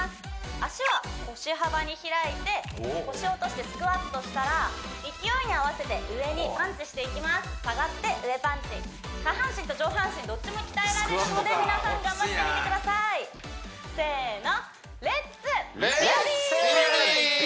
脚は腰幅に開いて腰を落としてスクワットしたら勢いに合わせて上にパンチしていきます下がって上パンチ下半身と上半身どっちも鍛えられるので皆さん頑張ってみてくださいせーの！